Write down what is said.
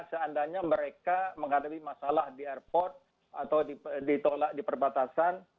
seandainya mereka menghadapi masalah di airport atau ditolak di perbatasan